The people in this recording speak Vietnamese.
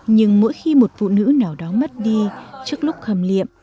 nhưng mỗi khi một phụ nữ nào đó mất đi trước lúc khẩm liệm